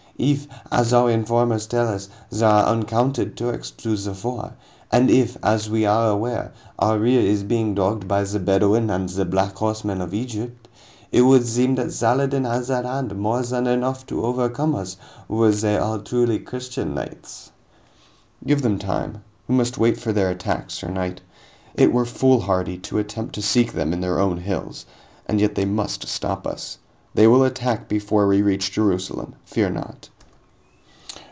If, as our informers tell us, there are uncounted Turks to the fore, and if, as we are aware, our rear is being dogged by the Bedouin and the black horsemen of Egypt, it would seem that Saladin has at hand more than enough to overcome us, were they all truly Christian knights." "Give them time. We must wait for their attack, sir knight. It were foolhardy to attempt to seek them in their own hills, and yet they must stop us. They will attack before we reach Jerusalem, fear not."